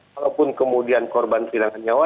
walaupun kemudian korban kehilangan nyawa